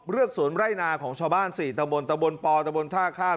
กสวนไร่นาของชาวบ้าน๔ตะบนตะบนปอตะบนท่าข้าม